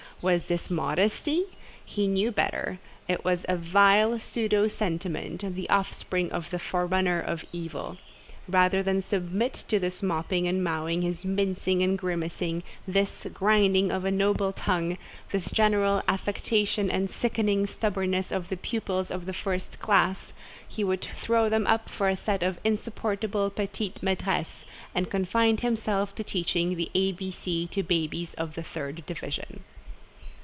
Was this modesty? He knew better. It was a vile pseudo sentiment—the offspring or the forerunner of evil. Rather than submit to this mopping and mowing, this mincing and grimacing, this, grinding of a noble tongue, this general affectation and sickening stubbornness of the pupils of the first class, he would throw them up for a set of insupportable petites maîtresses, and confine himself to teaching the ABC to the babies of the third division."